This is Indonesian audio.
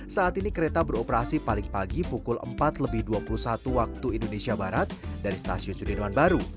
saat ini kereta beroperasi paling pagi pukul empat dua puluh satu wib dari stasiun sudirman baru